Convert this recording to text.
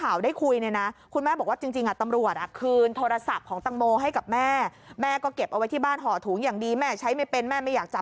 ส่วนมือถือของตังโมตอนนี้แม่บอกค่ะ